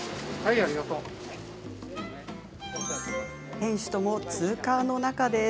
店主ともツーカーの仲です。